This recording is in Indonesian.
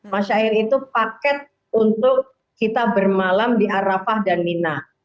masyair itu paket untuk kita bermalam di arafah dan mina